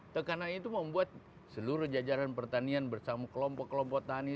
tekanan itu membuat seluruh jajaran pertanian bersama kelompok kelompok tani